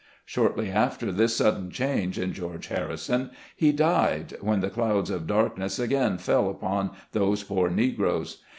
Shortly after this sudden change in Geo. Harrison, he died, when the clouds of darkness again fell about those poor Negroes.